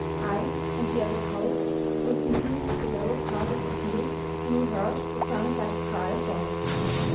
I and the other colts were feeding at the lower part of the field when we heard what sounded like the cry of dogs.